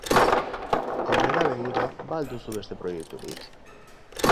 Aurrera begira, ba al duzu beste proiekturik?